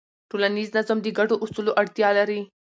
ټولنیز نظم د ګډو اصولو اړتیا لري.